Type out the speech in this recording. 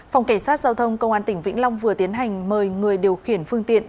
phòng cảnh sát giao thông công an tỉnh vĩnh long vừa tiến hành mời người điều khiển phương tiện